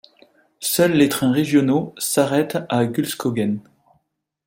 Seul les trains régionaux s'arrêtent à Gulskogen.